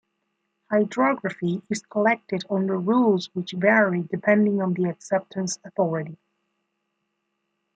Hydrography is collected under rules which vary depending on the acceptance authority.